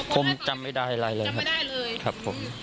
ผมจำไม่ได้เลยครับ